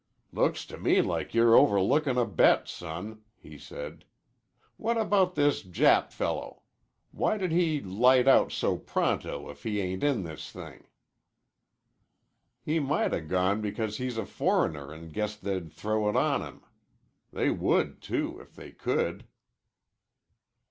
"Looks to me like you're overlookin' a bet, son," he said. "What about this Jap fellow? Why did he light out so pronto if he ain't in this thing?" "He might 'a' gone because he's a foreigner an' guessed they'd throw it on him. They would, too, if they could."